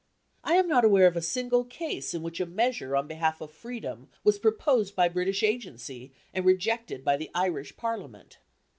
I am not aware of a single case in which a measure on behalf of freedom was proposed by British agency, and rejected by the Irish Parliament.